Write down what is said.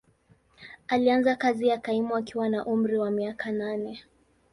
Alianza kazi ya kaimu akiwa na umri wa miaka nane.